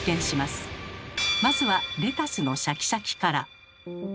まずはレタスのシャキシャキから。